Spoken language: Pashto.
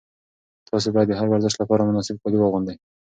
تاسي باید د هر ورزش لپاره مناسب کالي واغوندئ.